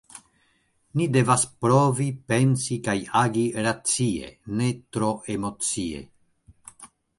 Ni devas provi pensi kaj agi racie, ne tro emocie.